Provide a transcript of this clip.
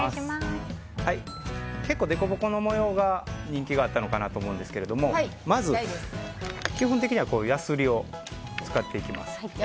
結構でこぼこの模様が人気があったと思うんですがまず、基本的にはヤスリを使っていきます。